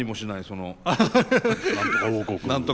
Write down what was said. その何とか王国。